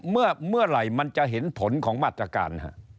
เมื่อไหร่มันจะเห็นผลของมาตรการ